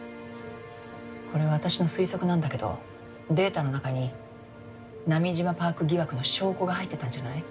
これは私の推測なんだけどデータの中に波島パーク疑惑の証拠が入ってたんじゃない？